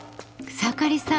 草刈さん